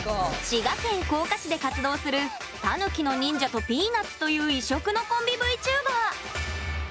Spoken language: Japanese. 滋賀県甲賀市で活動するタヌキの忍者とピーナッツという異色のコンビＶＴｕｂｅｒ。